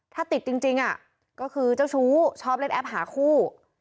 ถ้าติดจริงก็คือเจ้าชู้ชอบเล่นแอปหาคู่